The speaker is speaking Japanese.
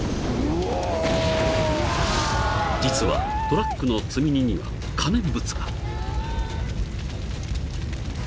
［実はトラックの積み荷には可燃物が］